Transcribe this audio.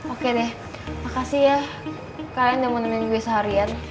oke deh makasih ya kalian udah menemuin gue seharian